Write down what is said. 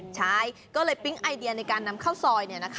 ใช่ก็เลยปิ๊งไอเดียในการนำข้าวซอย